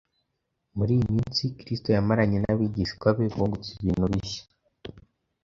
Muri iyi minsi Kristo yamaranye n’abigishwa be bungutse ibintu bishya.